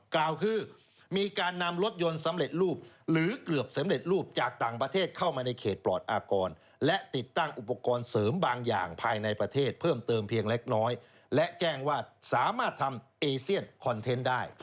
กล่าวคือมีการนำรถยนต์สำเร็จรูปหรือเกือบสำเร็จรูปจากต่างประเทศเข้ามาในเขตปลอดอากรและติดตั้งอุปกรณ์เสริมบางอย่างภายในประเทศเพิ่มเติมเพียงเล็กน้อยและแจ้งว่าสามารถทำเอเซียนคอนเทนต์ได้